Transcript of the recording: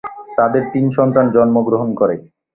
তাদের তিন সন্তান জন্মগ্রহণ করে।